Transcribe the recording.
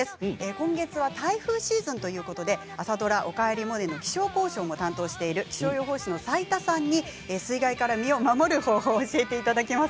今月は台風シーズンということで朝ドラ「おかえりモネ」の気象考証もされている気象予報士の斉田さんに水害から身を守る方法を教えてもらいます。